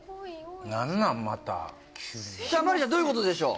何なんまたさあまありちゃんどういうことでしょう？